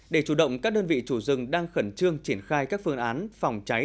để chủ động các đơn vị chủ rừng đang khẩn trương triển khai các phương án phòng cháy